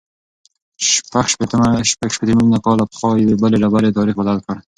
شپږ شپېته میلیونه کاله پخوا یوې بلې ډبرې تاریخ بدل کړ.